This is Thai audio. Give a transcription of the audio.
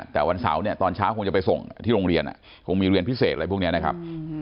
แต่วันเสาร์เนี่ยตอนเช้าคงจะไปส่งที่โรงเรียนคงมีเรียนพิเศษอะไรพวกนี้นะครับ